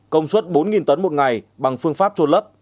công suất bốn tấn một ngày bằng phương pháp trôn lấp